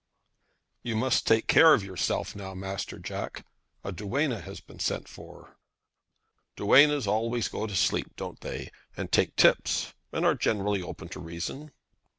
"You must take care of yourself now, master Jack," Mrs. Houghton said to her cousin. "A duenna has been sent for." "Duennas always go to sleep, don't they; and take tips; and are generally open to reason?"